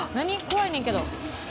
怖いねんけど。